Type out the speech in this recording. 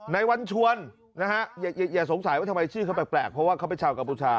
ในวันชวนอย่าสงสัยว่าทำไมชื่อเขาแปลกเพราะเขาเข้าไปชาวกราบบูจชา